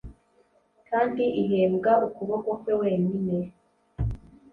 kandi ihembwa ukuboko kwe wenyine